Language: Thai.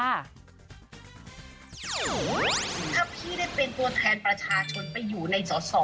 ถ้าพี่ได้เป็นตัวแทนประชาชนไปอยู่ในสอสอ